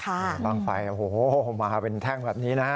โอ้โฮมาเป็นแท่งแบบนี้นะฮะ